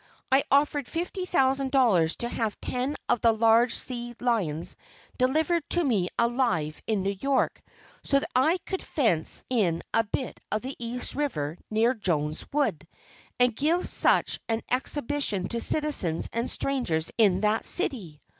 I offered fifty thousand dollars to have ten of the large sea lions delivered to me alive in New York, so that I could fence in a bit of the East River near Jones' Wood, and give such an exhibition to citizens and strangers in that city.